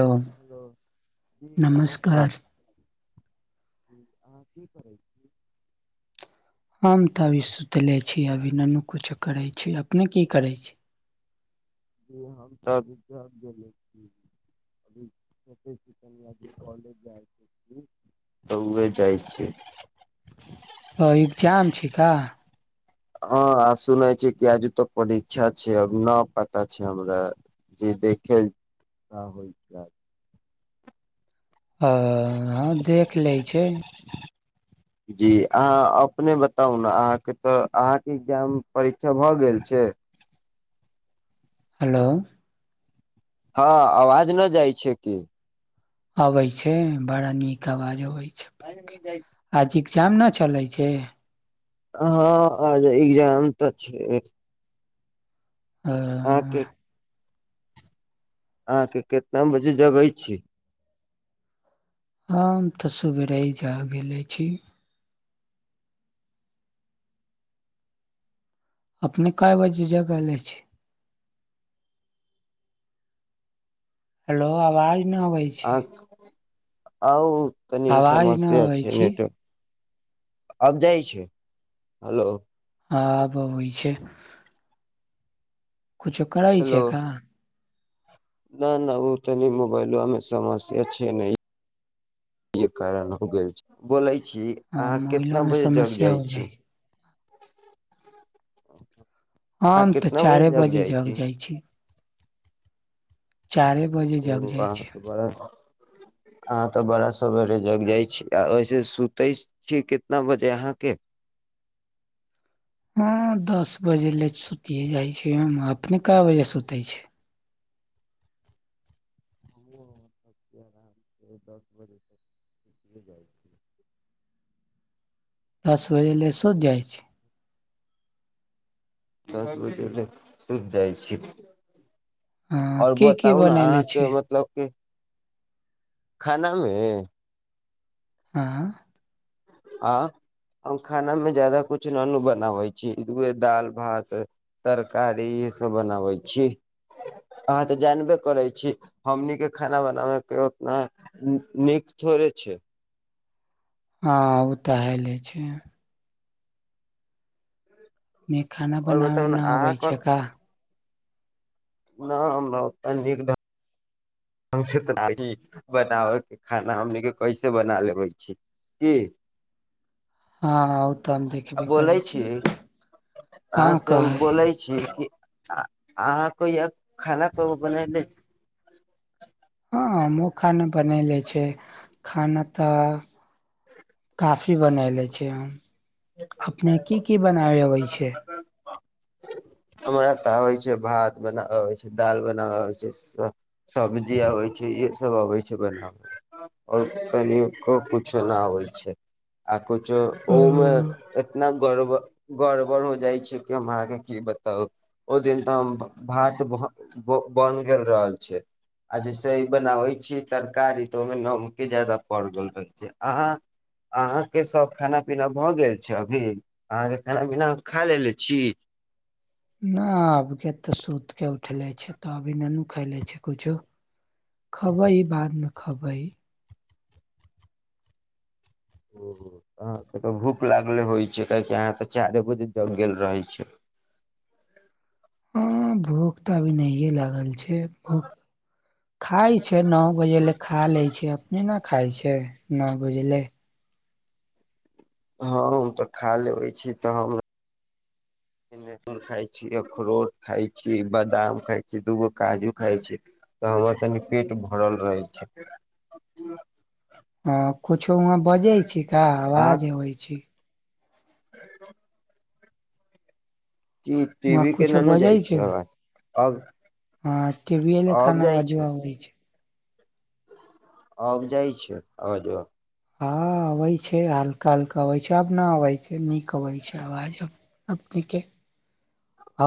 ओ, hello नमस्कार। जी, अहाँ की करै छी। हम तऽ अभी सुतले अभी ननु कछु करै छै, अपने की करै छी। जी हम ताबि घर गेली [unintelligible] कॉलेज जाइ छी, तऽ उ जाइ छी। [unintelligible] अ, एग्जाम छै का। हँ, आ सुनै छी कि आजु तऽ परीक्षा छै, अब नहि पता छै हमरा। जे देखै होइ छै। अ हँ, देख लेइ छै। जी, अहाँ अपने बताउ ने अहाँके तऽ अहाँके एग्जाम परीक्षा भऽ गेल छै। हेलो। हँ, अवाज न जाइ छै कि। आै छै, भड़ा नीक अवाज आवि आज ह्म जाइ छी। ए्जाम नहि चलैई छै। हँ, आज एग्जाम तऽ छै। अ अहाँके अहाँके कितना बजे जगै छी। हम तऽ सवेरे जा गेले छी। अपने क बाजी जग ल छै। हेलो आवाज नहि अबै अहाँ छै। आउ तनी आवाज न समस्य अ अबै छै छी नेट। आब जाइ छै हेलो। हँ बी छै। कुछो करइ हेलो छै क। न न ओ तनी मोबाइलो अमे समस्य छै नह। ई कारण हो ग छै बोलाय। छी ह अहाँ मोबाइलो कितना मे बजे जग समस्या जाइ हो छी। छै अहाँ हम तऽ कितना बजे चारे जक जाइ जग छी। चार बजे ओ जग जाइ अहाँ छै। तऽ बड़ा अहाँ तऽ बड़ा सवेरे जग जाइ छी आ ओऐसे सुते छी कितना बजे अहाँके। [unintelligible] हँ दस बजे ले सुति जाइ छै अपने कए बजे सुते छै। [unintelligible] दस बजे लै शो जाइ छै। दस बज सुूझ जाइ छी। हँ आओर की की बताउ ने बनैले छी अहाँके मतलब क। खानामे। आँ। आ। हम खाना मे ज्यादा कुछ नन बनाबै छी दाल भात। तरकारी ई सब बनाबै छी। अहाँ तऽ जानबे करै छी हमनीके खाना बनाबै के उतना नीक। थोड़े छै। हँ ओ तऽ हले छै। न खाना और बनाबै बताउ न ने अहाँ अै छै का। नहि हमरा ओते नीक ल। त बनाबैके खाना हमने कैसे बना लेबै छी। ये। हँ ओ तऽ हम देखबे करै छी छीिय। अहाँ से हम बोलै छी कि। आ अहाँ कोइ य खाना को बना ल छै। हँ म खा ने बना ले छै खाना तऽ। काफी बनले छै। अपने की की बनाबे होइ छै। हमरा तऽ होै छै भात बना होइ छै दाल बनाा होइ छै। सब्जी आबै छै इ सभ अबै छै बनाब। आओर कनि किछो नहि होइ छै। कुछो ओहमे छै एतना गड़ब गड़बड़ हो जाइ छै कि हम अहाँके की ब। तऽ ओहि दिन तऽ भात बनि गेल रहल छै। आ जैसे बनाबै छीयै तरकारी तऽ ओहिमे नमके ज्यादा पड़ गेल रहै छै अहाँ। अहाँके सभ खाना पीना भऽ गेल छै अभी अहाँके खाना पीना खा लेलेने छी। ना आब के तऽ सुत के उठले छी तऽ अभी ननू खइले छी कुछो खबई बादमे खबई ओहो अहाॅंके तऽ भूख लागले होइ छै काहेकि अहाँ तऽ चारे बजे जग गेल रहै छी। [inaudible] हँ भूख तऽ अभी नहिए लागल छै। फेर भुख खाय छै नओ बजे ले खा ले छै अपने न खााय छी एह नौ बजलै हँ हम तऽ खा लेबै छी तऽ हम [unintelligible] खाय छी अखरोट खाय छी बादाम खाय छी दूगो काजू खाय छी। तऽ हमर तनि पेट भरल रहै छै। हँ कुछो वहाँ बजै छै का अहाँ आवाज अबै छै [unintelligible] टी वहाँ भी के कुछो ननु बजै जाइ छै आवाज अब हँ टीबीये लखा अब नु जाइ अबाजो आबइ छै। अब जाइ छै अवजवा? हा अबै छै हल्का हल्का अबैत छै आब ना अबैत छै नीक अबैत छै आवाज अब। आपीके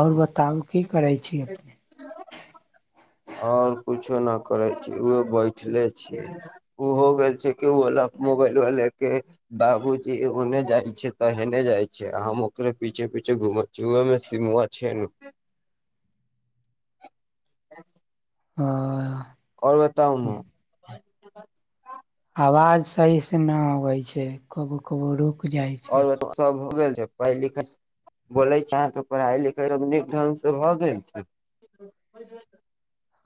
आओर बताउ की करै छी अपने? आओर कुछो न करे छी ओ बैठले छी ओ हो गेल छै केवल मोबाइलवा ले के बाबूजी ओने जाय छै त हेने जाय छै हम ओकरे पीछे पीछे घुमै छी ओहेमे सिमवा छै नु [inaudible] [unintelligible] आअअ आओर बताउन आवाज सही से ना अबै छै कबो कबो रुक जाइ छै आओर बताई ओ सब हो गेल छै पढ़ाई लिखाई बोलै छैें त पढ़ाइ लिखाई तब नीक ढंग से भऽ गेल छै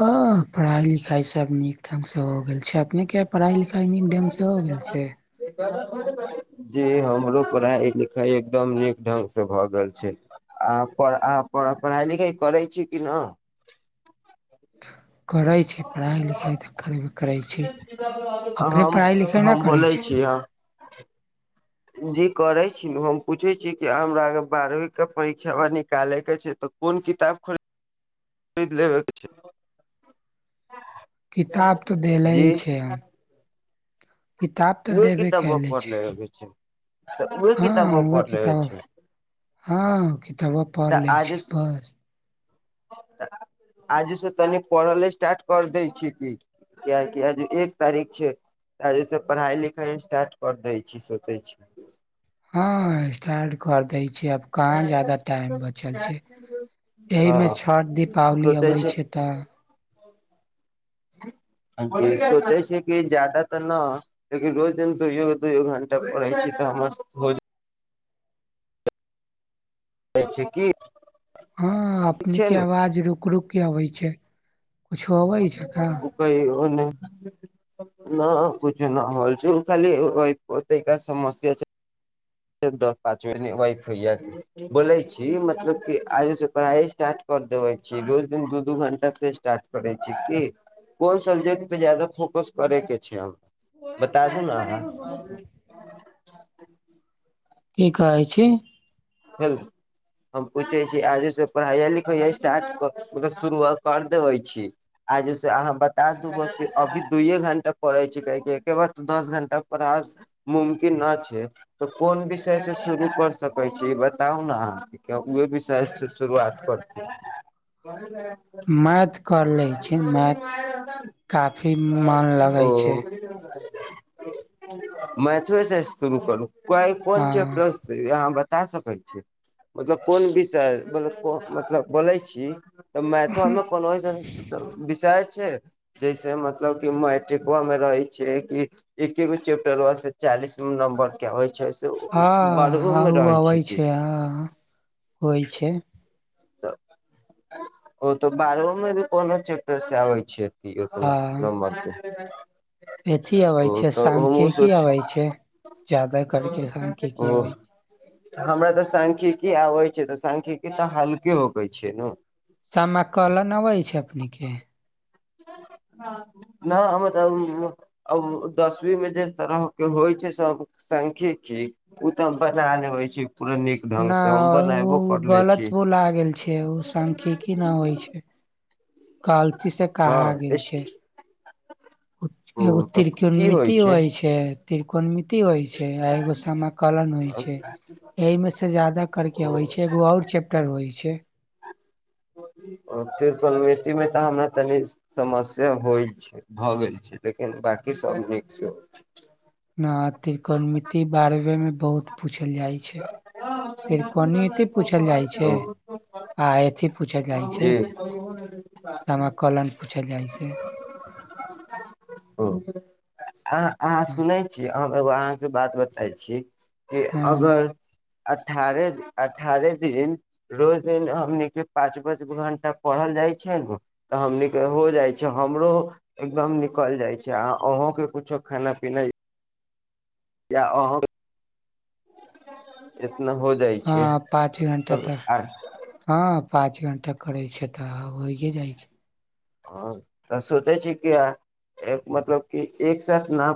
हँ पढ़ाई लिखाइ सब नीक ढंग से हो गेल छै, अपने के पढ़ाई लिखाई नीक ढंग से हो गेल छै? जी हमरो पढ़ाइ लिखाइ एकदम नीक ढंगसे भऽ गेल छै। आ पढ़ अहाॅं पढ़ाइ लिखाइ करै छी कि न? [inaudible] करै छी पढ़ाइ लिखाइ तऽ करबे करै छी अपने हम पढ़ाइ लिखाइ नहि करै छी। [inaudible] जे करे छी नु हम पूछे छी कि हमराके बारहवीं के परीक्षा निकाले के छै तऽ कोन किताब [inaudible] खरीद लेबेके चाही किताब तऽ देलही छै या कितब तऽ उहे देैवे के किताबवा ऐले पढ़ छै। लेबे के छै तऽ उहे हँ हं किताबवा ओहे पढ़ लेबे किताब छै हँ किताबो पढ़ तऽ लै आजे छै बस आजे से तनि पढ़ल स्टार्ट कर दै छी की। कियाकी आज एक तारीख छै, आजे से पढ़ाई लिखाई स्टार्ट कर दै छी सोचै छी हँ स्टार्ट कर दै छै। आब कहाँ जादा टाइम बचल छै। एहि हँ मे छठ दीपावली अबै छै। तऽ सोचै छै कि जादा तऽ न लेकिन रोज दोय दोय घंटा पढ़ै छी। स्त हो जा कहै छै की? हँ ठीक अपने छै के नु आवाज रुक रुक के अबै छै। कुछो अबै छअ का? ओ नहि न कूछु न होल छै ओ खाली ओ तनिका समस्या छै। दस पाँच वाइफ होइय बोलै छी मतलब क आगे से पढ़ाइ स्टार्ट कर कर देबे छी रोज दिन दू दू घंटा से स्टार्ट करै छी की? कोन सब्जेक्ट पे जादा फोकस करे के छै हम? बता दू ने अहाँ? की कहै छी? हेल हम पूछै छी आज से पढ़ाया लिखाय स्टार्ट मतलब शुरू कर देबे छी? आजे से अहाँ बता दू बस अभी दूयए घंटा पढ़े छी काहे की एके बार त दस घंटा पढ़ा मुमकिन न छै तऽ कोन विषय से शुरू कर सकै छी। बताउ ने अहाँ उहे विषय से शुरुआत करती। मैथ कर लै छी मैथ। काफी मन लगै छै। मैथवे शुरू करू काहे कोन हँ चैपटर से या हमरा बता सकैत छी? मतलब कोन विषय मतलब को मतलब बोलै छी। तऽ मैथवा मे कोनो ऐसन विषय छै? जैसे मतलब कि मैट्रिकवा मे रहै छै कि एकेगो चैप्टरवा से चालीस दू नम्बर के होइ छै। से बारहूं में रहै होइ छै हां होइ छै। त ओ तऽ बारहों में भी कोनो चैप्टर से आबै छै? त न हँ नमबर त अथी ओ अबै छै तऽ हमूँ सांख्यिकी सोची। अबै छै जादा करके ओ सांख्यिकी अबै छै हमरा तऽ सांखिकी आबै छै तऽ सांखिकी तऽ हल्के होकेै छै नू? सामाकलन अबै छै अपने के? न हम त दसवी मे जस तरह के होइ छै। सब सांख्यिकी उ त हम बना लेबै छी। पूरा नीक ढंग ना से हम ओ बनेबो करले छी गलत बोला गेल छै। ओ सांखिकी ना होइ छै। गलती से कहा हँ गेल छै। ओ एगो तऽ की त्रिकोणमिति होइ छै। त्रिकोणमिति ति होइ छै। आ एगो सम कलन होइ छै। एहिमे से जादा करके अबै छै। एगो आओर चैप्टर होइ छै। ओ त्रिकोणमिति मे तऽ हमरा तनि समस्या होइ छै। भऽ गेल छै। बांकी सब नीक छै। ना त्रिकोणमिति बारहवे में बहुत पूछ पूछल जाइ छै। त्रिकोणमिति पूछल जाइ छै। आ अथी पूछल जाइ छै जी समाकलन पूछल जाइ छै। ओ अहा अहा सुनै छियै हम एगो अहाँसे बात बताइ छी कि हँ अगर अठारह अठारह दिन रोज दिन हमनी के पाँच पाँच घण्टा प ढल जाइ छै नु त हमनी के हो जाइ छै हमरो एकदम निकल जाइ छै आ अहों के कुछो खाना पीना या अहों हँ पाँच घण्टा तऽ हँ पाँच घंटा करै छै तऽ होइये जाइ छै। हँ तऽ सोचै छी की एक मतलब कि एक साथ ना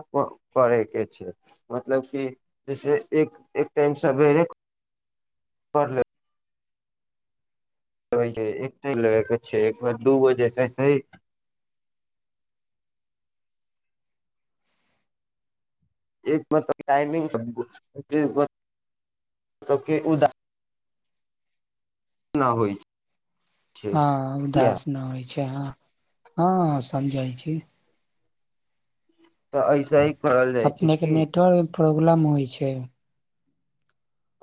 पढे के छै मतलब कि जैसे एक एक टाइम सबेरे [inaudible] पढ़ले एक ते लेबेके छै एक बेर दू बजे से छै एक मतलब टाइमिंग [unintelligible] ना होइ। छै हँ उदास तऽ ना होइ छै ह हँ समझय छी। ऐसे ही करल जाइ छै अपनेके कि नेटवर्क प्रॉब्लम होइ छै।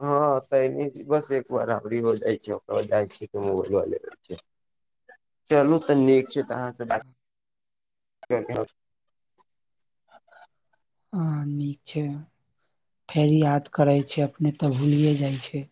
हँ तऽनी बस एक बार अबरी हो जाइ छै ओकरा बाद जाइ छी दुनु गो ललेबै छै। चलू तऽ नीक छै तऽ अहाँसँ बात [inaudible] हां नीक छै फेर याद करे छै अपने तऽ भूलिये जाय छै